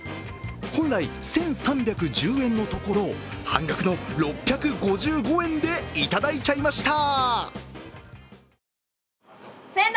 本来１３１０円のところ半額の６５５円でいただいちゃいました。